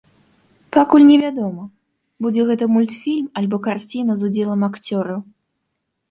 Пакуль невядома, будзе гэта мультфільм альбо карціна з удзелам акцёраў.